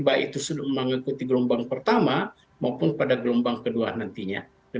baik itu sudah mengikuti gelombang pertama maupun pada gelombang kedua nantinya